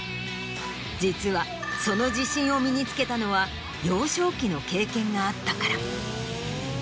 実はその自信を身に付けたのは幼少期の経験があったから。